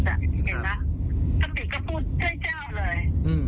สติกก็พูดเจ้าเลย